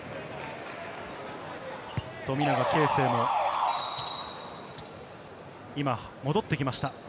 富永啓生も今、戻ってきました。